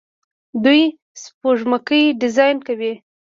دوی سپوږمکۍ ډیزاین کوي.